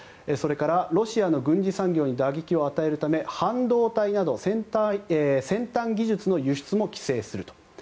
それから、ロシアの軍事産業に打撃を与えるため半導体など先端技術の輸出も規制すると。